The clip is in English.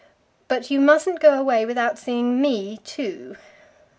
But you mustn't go away without seeing me too.